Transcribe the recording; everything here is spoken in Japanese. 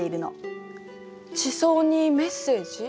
地層にメッセージ？